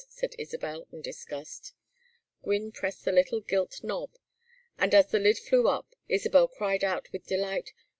said Isabel, in disgust. Gwynne pressed the little gilt nob, and as the lid flew up Isabel cried out, with delight.